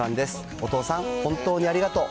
お父さん、本当にありがとう。